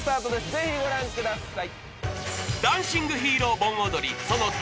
ぜひご覧ください